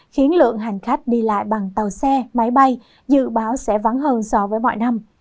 khiến lượng hành khách đi lại bằng tàu xe máy bay dự báo sẽ vắng hơn so với mọi năm